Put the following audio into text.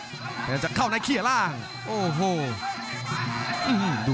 รับทราบบรรดาศักดิ์